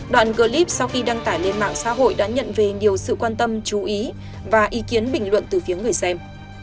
đoạn clip sau khi đăng tải lên mạng xã hội đã nhận về nhiều sự quan tâm chú ý và ý kiến bình luận từ phía người xem